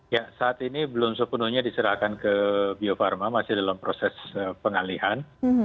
ya saat ini belum sepenuhnya diserahkan ke bio farma masih dalam proses pengalihan